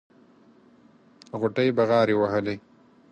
غوټۍ بغاري وهلې.